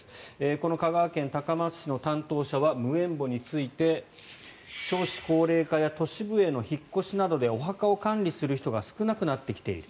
この香川県高松市の担当者は無縁墓について少子高齢化や都市部への引っ越しなどでお墓を管理する人が少なくなってきている。